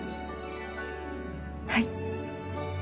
はい。